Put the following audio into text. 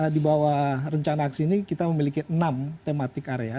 di bawah rencana aksi ini kita memiliki enam tematik area